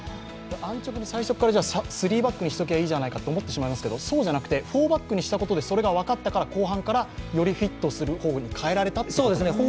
安直に最初からスリーバックにしておけばいいじゃないかと思ってしまいますが、そうじゃなくてフォーバックにしたことで、それが分かったから後半からよりフィットする方に変えられたということですね。